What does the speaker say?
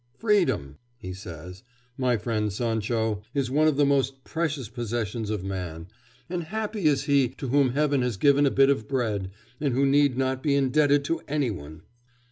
"Freedom," he says, "my friend Sancho, is one of the most precious possessions of man, and happy is he to whom Heaven has given a bit of bread, and who need not be indebted to any one!"